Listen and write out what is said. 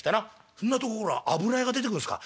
「そんなとこ油屋が出てくんすか？」。